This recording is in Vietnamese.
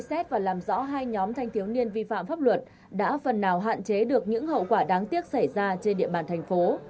xét và làm rõ hai nhóm thanh thiếu niên vi phạm pháp luật đã phần nào hạn chế được những hậu quả đáng tiếc xảy ra trên địa bàn thành phố